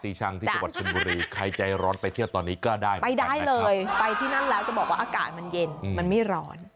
สีชังนะจ้ะจ้ะไปได้เลยไปที่นั่นแล้วจะบอกว่าอากาศมันเย็นมันไม่ร้อน